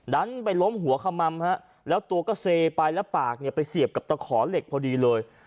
ดันไปล้มหัวขมัมฮะแล้วตัวก็เซไปแล้วปากเนี่ยไปเสียบกับตะขอเหล็กพอดีเลย